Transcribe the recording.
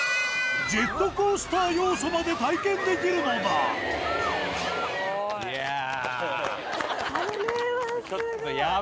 ジェットコースター要素まで体験できるのだいやぁ。